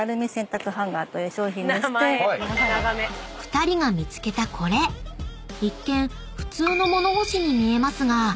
［２人が見つけたこれ一見普通の物干しに見えますが］